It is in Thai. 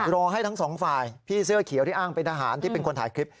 รอให้ทั้งสองฝ่ายพี่เสื้อเขียวที่อ้างเป็นทหารที่เป็นคนถ่ายคลิป